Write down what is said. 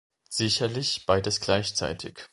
Sicherlich beides gleichzeitig!